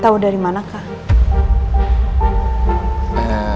tau dari mana kak